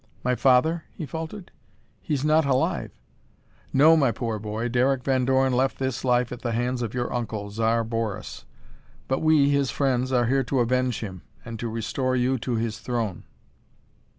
"My father?" he faltered. "He's not alive." "No, my poor boy. Derek Van Dorn left this life at the hands of your uncle, Zar Boris. But we, his friends, are here to avenge him and to restore to you his throne."